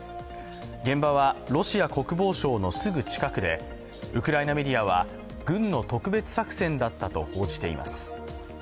現場はロシア国防省のすぐ近くでウクライナメディアは、軍の特別作戦だったと報じています。